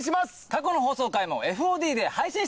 過去の放送回もＦＯＤで配信してます。